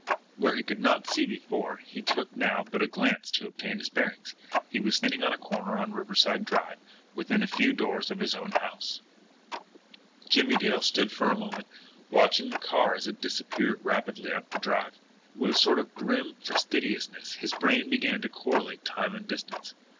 But where he could not see before, it took now but a glance to obtain his bearings he was standing on a corner on Riverside Drive, within a few doors of his own house. Jimmie Dale stood still for a moment, watching the car as it disappeared rapidly up the Drive. And with a sort of grim facetiousness his brain began to correlate time and distance.